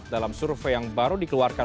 dalam survei yang baru dikeluarkan